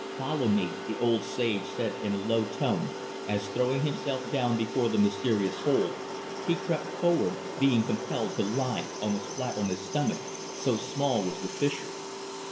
"Follow me," the old sage said in a low tone as, throwing himself down before the mysterious hole, he crept forward, being compelled to lie almost flat on his stomach, so small was the fissure.